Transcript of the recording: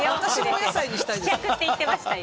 試着って言ってましたよ。